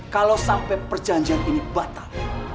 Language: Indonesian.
kalau sampai perjanjian ini batal